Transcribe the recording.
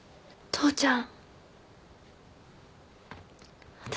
父ちゃん